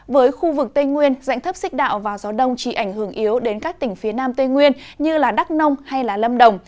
với khu vực tây nguyên dãy thấp xích đạo và gió đông chỉ ảnh hưởng yếu đến các tỉnh phía nam tây nguyên như đắk nông hay lâm đồng